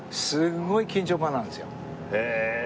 へえ。